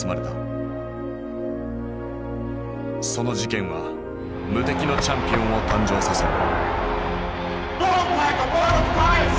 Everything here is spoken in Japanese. その事件は無敵のチャンピオンを誕生させる。